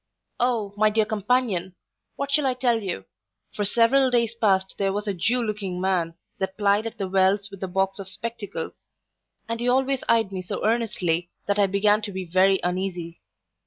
O, my dear companion! What shall I tell you? for several days past there was a Jew looking man, that plied at the Wells with a box of spectacles; and he always eyed me so earnestly, that I began to be very uneasy.